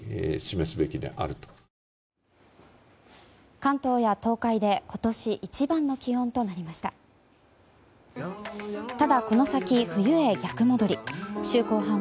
関東や東海で今年一番の気温となりました。